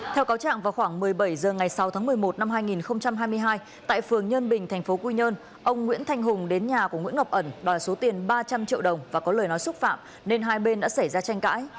theo cáo trạng vào khoảng một mươi bảy h ngày sáu tháng một mươi một năm hai nghìn hai mươi hai tại phường nhân bình tp quy nhơn ông nguyễn thanh hùng đến nhà của nguyễn ngọc ẩn đòi số tiền ba trăm linh triệu đồng và có lời nói xúc phạm nên hai bên đã xảy ra tranh cãi